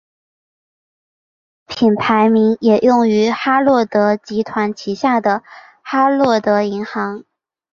哈洛德的品牌名也用于哈洛德集团旗下的哈洛德银行。